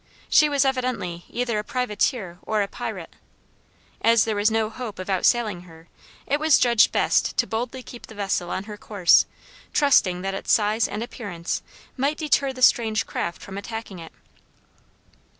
She was evidently either a privateer or a pirate. As there was no hope of out sailing her, it was judged best to boldly keep the vessel on her course, trusting that its size and appearance might deter the strange craft from attacking it.